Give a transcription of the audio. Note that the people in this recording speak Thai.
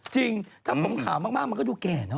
จริงถ้าผมขาวมากมันก็ดูแก่เนอ